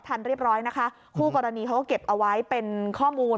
เรียบร้อยนะคะคู่กรณีเขาก็เก็บเอาไว้เป็นข้อมูล